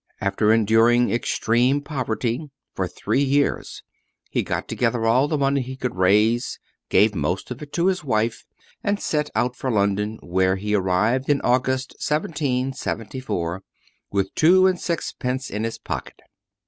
After enduring extreme poverty for three years, he got together all the money he could raise, gave most of it to his wife, and set out for London, where he arrived in August, 1774, with two and sixpence in his pocket.